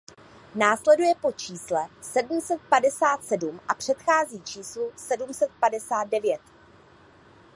Následuje po čísle sedm set padesát sedm a předchází číslu sedm set padesát devět.